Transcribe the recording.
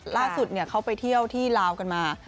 ล่าสุดเขาไปเที่ยวที่ลาวกันมา